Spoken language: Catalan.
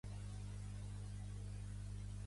Es coneix popularment com 'temple de Rama'.